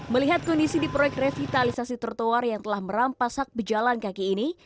melihat kondisi di proyek revitalisasi trotoar yang telah merampas hak pejalan kaki ini